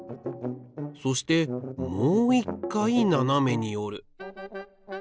そしてもう１回ななめにおる。